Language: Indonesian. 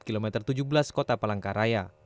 kilometer tujuh belas kota palangkaraya